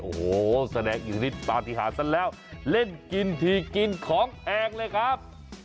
โอ้โหแสดงอยู่ที่นี่ปลาที่หาสั้นแล้วเล่นกินที่กินของแพงเลยครับ